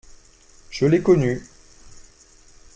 Je l’ai connue.